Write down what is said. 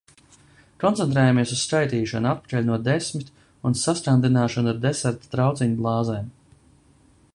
Koncentrējāmies uz skaitīšanu atpakaļ no desmit un saskandināšanu ar deserta trauciņu glāzēm.